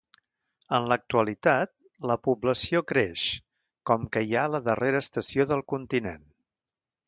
En l'actualitat, la població creix, com que hi ha la darrera estació del continent.